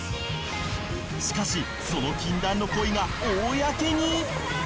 しかしその禁断の恋が公に。